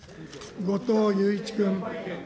後藤祐一君。